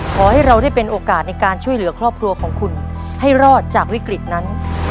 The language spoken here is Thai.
ขอให้เราได้เป็นโอกาสในการช่วยเหลือครอบครัวของคุณให้รอดจากวิกฤตนั้น